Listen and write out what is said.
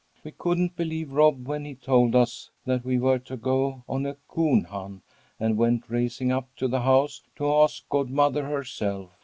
"We couldn't believe Rob when he told us that we were to go on a coon hunt, and went racing up to the house to ask godmother herself.